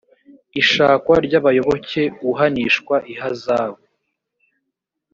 ishakwa ry abayoboke uhanishwa ihazabu